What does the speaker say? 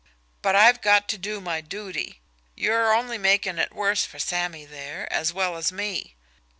But I've got to do my duty. You're only making it worse for Sammy there, as well as me."